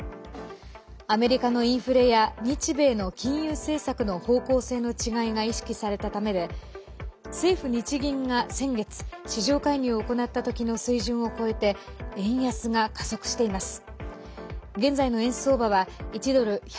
アメリカのインフレや日米の金融政策の方向性の違いが意識されたためで政府・日銀が先月、市場介入を行った時の水準を超えて円安が加速しています。